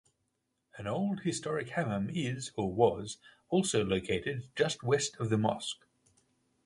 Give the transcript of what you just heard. An old historic hammam is (or was) also located just west of the mosque.